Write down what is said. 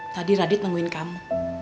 tadi radit nungguin kamu